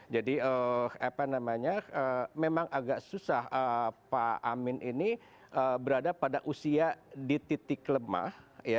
jadi memang agak susah pak amin ini berada pada usia di titik lemah